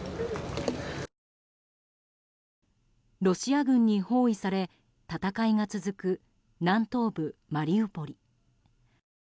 ロシア軍に包囲され、戦いが続く南東部マリウポリ。